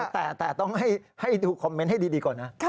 แต่ต้องให้ดูคอมเมนต์ให้ดีก่อนนะ